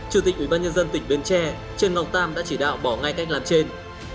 chủ tịch ubnd tỉnh bến tre trương ngọc tam đã chỉ đạo bỏ ngay cách làm trên